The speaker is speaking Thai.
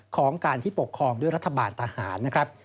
ของการที่ปกครองด้วยรัฐบาลทหารนะครับ